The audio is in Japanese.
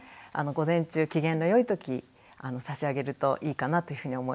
午前中機嫌の良い時差し上げるといいかなというふうに思います。